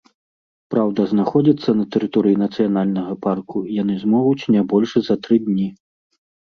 Праўда, знаходзіцца на тэрыторыі нацыянальнага парку яны змогуць не больш за тры дні.